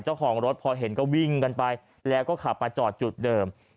เจ้าของรถพอเห็นก็วิ่งกันไปแล้วก็ขับมาจอดจุดเดิม